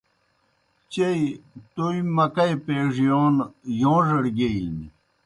چیئی تومیْ مکئی پَیڙِیون یوݩڙَڑ گیئینیْ۔